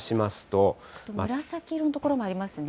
紫色の所もありますね。